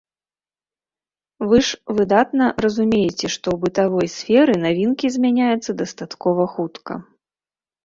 Вы ж выдатна разумееце, што ў бытавой сферы навінкі змяняюцца дастаткова хутка.